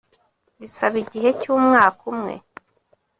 bisaba igihe cy‘umwaka umwe